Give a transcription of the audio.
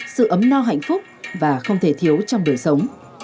sự ấm no hạnh phúc và không thể thiếu trong đời sống